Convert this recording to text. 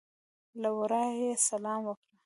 له ورایه یې سلام وکړ.